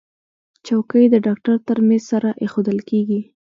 چوکۍ د ډاکټر تر میز سره ایښودل کېږي.